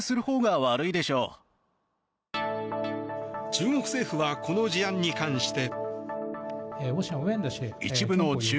中国政府はこの事案に関して。